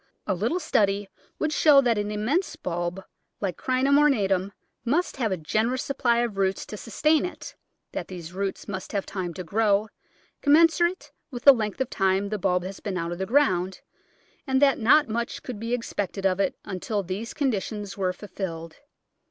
A little study would show that an immense bulb like Digitized by Google 156 The Flower Garden [Chapter Crinum ornatum must have a generous supply of roots to sustain it; that these roots must have time to grow, commensurate with the length of time the bulb has been out of the ground, and that not much could be expected of it until these conditions were ful filled.